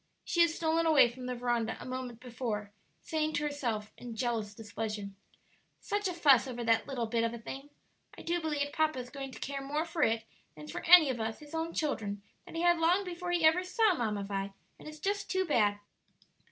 She had stolen away from the veranda a moment before, saying to herself, in jealous displeasure, "Such a fuss over that little bit of a thing! I do believe papa is going to care more for it than for any of us, his own children, that he had long before he ever saw Mamma Vi; and it's just too bad."